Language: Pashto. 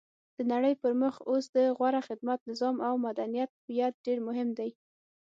د نړۍ پرمخ اوس د غوره خدمت، نظام او مدنیت هویت ډېر مهم دی.